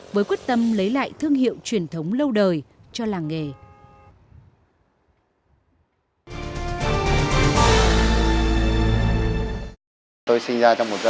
với quyết tâm lấy lại thương hiệu truyền thống lâu đời cho làng nghề